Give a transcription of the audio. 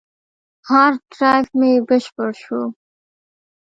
هارد ډرایو مې بشپړ شو.